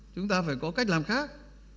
chúng ta phải có cách làm khác